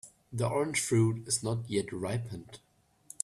The orange fruit is not yet ripened.